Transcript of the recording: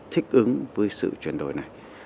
thích ứng với sự chuyển đổi này